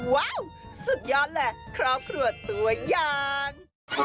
ว้าวสุดยอดแหละครอบครัวตัวอย่าง